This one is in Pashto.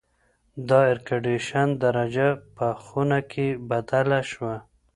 د اېرکنډیشن درجه په خونه کې بدله شوه.